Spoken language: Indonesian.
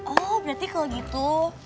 oh berarti kalau gitu